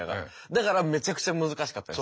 だからめちゃくちゃ難しかったです。